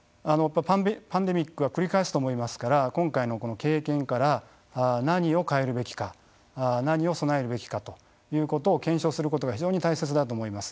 パンデミックは繰り返すと思いますから今回の経験から何を変えるべきか何を備えるべきかということを検証することが非常に大切だと思います。